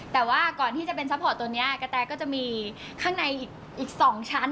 แต่ว่าก่อนที่จะเป็นซัพพอร์ตตัวนี้กระแตก็จะมีข้างในอีก๒ชั้น